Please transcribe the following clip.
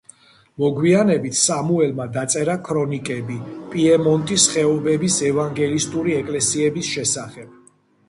მოგვიანებით სამუელმა დაწერა ქრონიკები პიემონტის ხეობების ევანგელისტური ეკლესიების შესახებ.